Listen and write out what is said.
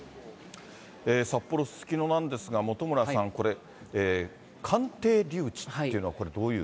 札幌・すすきのなんですが、本村さん、これ、鑑定留置っていうのはこれ、どういう？